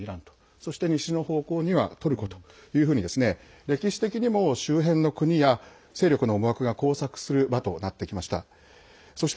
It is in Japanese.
そして、西の方向にはトルコというふうに歴史的にも周辺の国や勢力の思惑が交錯する場となってきました。